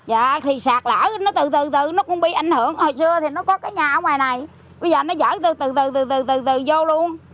dạ thì sạt lỡ nó từ từ từ nó cũng bị ảnh hưởng hồi xưa thì nó có cái nhà ở ngoài này bây giờ nó dở từ từ từ từ từ từ vô luôn